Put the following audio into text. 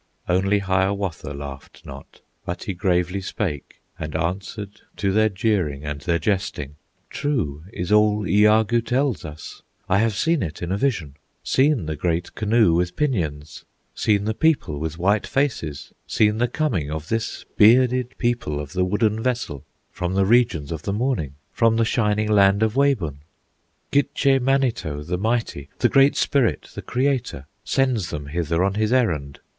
Only Hiawatha laughed not, But he gravely spake and answered To their jeering and their jesting: "True is all Iagoo tells us; I have seen it in a vision, Seen the great canoe with pinions, Seen the people with white faces, Seen the coming of this bearded People of the wooden vessel From the regions of the morning, From the shining land of Wabun. "Gitche Manito, the Mighty, The Great Spirit, the Creator, Sends them hither on his errand.